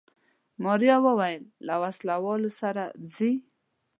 ماريا وويل له وسله والو سره ځي.